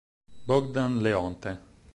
Bogdan Leonte